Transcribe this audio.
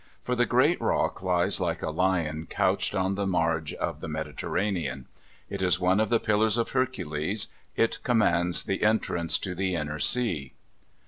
For the great Rock lies like a lion couched on the marge of the Mediterranean. It is one of the pillars of Hercules: it commands the entrance to the inner sea.